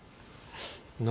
何？